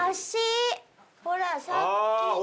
ほらさっきの。